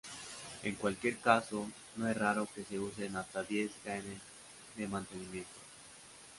En cualquier caso, no es raro que se usen hasta diez genes de mantenimiento.